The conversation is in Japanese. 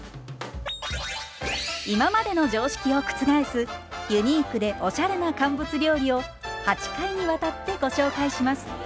今までの常識を覆すユニークでおしゃれな乾物料理を８回にわたってご紹介します。